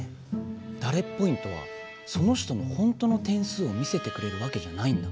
ダレッポイントはその人のほんとの点数を見せてくれるわけじゃないんだ。